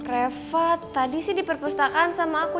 refat tadi sih di perpustakaan sama aku